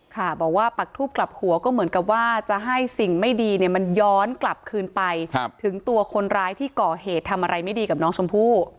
ค่ะบอกว่าปักทูบกลับหัวก็เหมือนกับว่าจะให้สิ่งไม่ดีเนี่ยมันย้อนกลับคืนไปถึงตัวคนร้ายที่ก่อเหตุทำอะไรไม่ดีกับน้องชมพู่